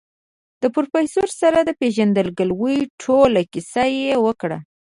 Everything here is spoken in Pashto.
د پروفيسر سره د پېژندګلوي ټوله کيسه يې وکړه.